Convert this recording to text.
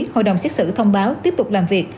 hội đồng xét xử thông báo tiếp tục làm việc